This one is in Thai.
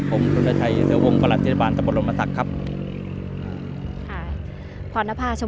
กล้องไม่เห็นเป็นแบบนี้นี่